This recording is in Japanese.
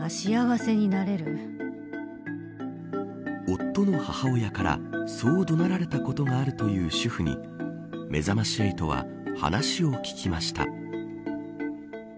夫の母親からそう怒鳴られたことがあるという主婦にめざまし８は話を聞きました。